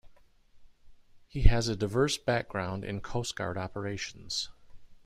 He has a diverse background in Coast Guard operations.